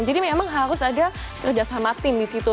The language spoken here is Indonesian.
jadi memang harus ada kerja sama tim di situ